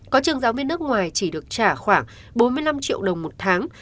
có trường giáo viên nước ngoài chỉ được trả khoảng bốn mươi năm triệu đồng một tháng